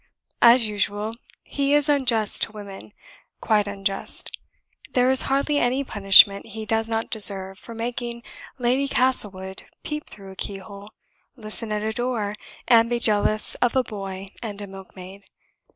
"As usual, he is unjust to women; quite unjust. There is hardly any punishment he does not deserve for making Lady Castlewood peep through a keyhole, listen at a door, and be jealous of a boy and a milkmaid.